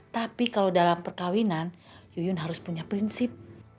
tapi kalau dalam perkawinan yuyun harus punya prinsip